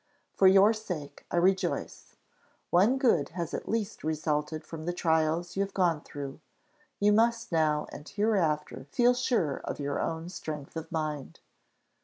For your sake, I rejoice. One good has at least resulted from the trials you have gone through: you must now and hereafter feel sure of your own strength of mind.